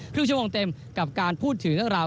ครึ่งชั่วโมงเต็มกับการพูดถึงเรื่องราว